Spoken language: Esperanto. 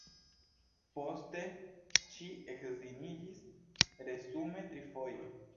Poste ŝi edziniĝis, resume trifoje.